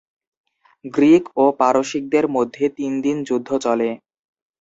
Greek ও পারসিকদের মধ্যে তিন দিন যুদ্ধ চলে।